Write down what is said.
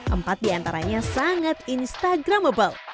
empat diantaranya sangat instagramable